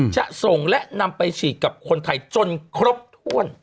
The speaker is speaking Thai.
จะส่งและนำไปฉีดกับคนไทยจนครบถ้วน